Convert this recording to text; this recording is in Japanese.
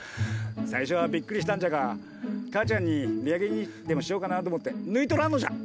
最初はびっくりしたんじゃが母ちゃんに土産にでもしようかなと思って抜いとらんのじゃ。